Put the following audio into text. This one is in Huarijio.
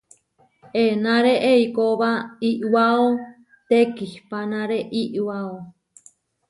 Enáre eikóba iʼwáo tekihpánare iʼwáo.